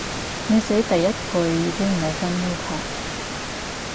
你寫第一句已經冇跟要求